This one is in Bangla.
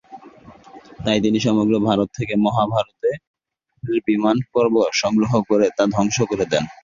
তাই তিনি সমগ্র ভারত থেকে মহাভারতের বিমান পর্ব সংগ্রহ করে তা ধ্বংস করে দেন।